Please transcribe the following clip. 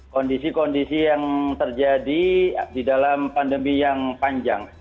kondisi kondisi yang terjadi di dalam pandemi yang panjang